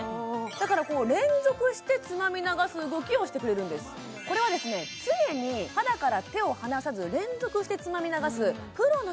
だから連続してつまみ流す動きをしてくれるんですこれはですね常に肌から手を離さず連続してつまみ流すプロの手技を再現しているんですすごい